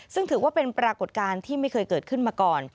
ซึ่งถือว่าเป็นปรากฏการณ์ที่ไม่เคยเกิดขึ้นมาก่อน